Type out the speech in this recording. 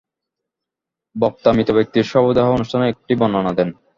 বক্তা মৃত ব্যক্তির শবদাহ-অনুষ্ঠানের একটি বর্ণনা দেন।